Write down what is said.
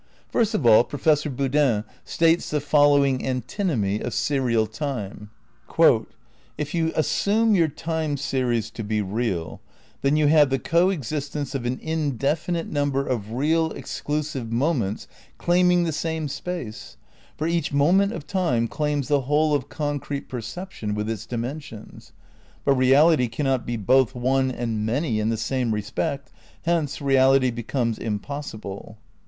^ First of all Professor Boodin states the following antinomy of serial time. "If you assume your time series to be real, then you have the coexistence of an indefinite number of real exclusive moments claim ing the same space, for each moment of time claims the whole of concrete perception with its dimensions. But reality cannot be both one and many in the same respect, hence reality becomes impossible."